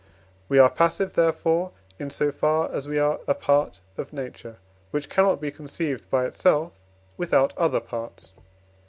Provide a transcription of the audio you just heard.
We are passive therefore, in so far as we are a part of Nature, which cannot be conceived by itself without other parts.